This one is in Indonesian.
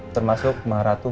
termasuk maha ratu